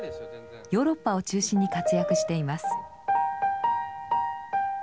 ヨーロッパを中心に活躍しています。